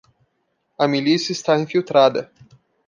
A milícia está infiltrada.